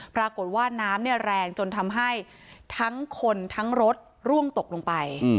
ปรากฏว่าน้ำแรงจนทำให้ทั้งคนทั้งรถร่วงตกลงไป